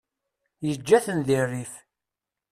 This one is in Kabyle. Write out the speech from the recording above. Yeǧǧa-ten deg rrif.